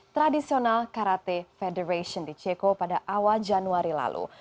tradisional karate federation di ceko pada awal januari lalu